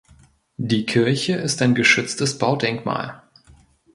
Die Kirche ist ein geschütztes Baudenkmal.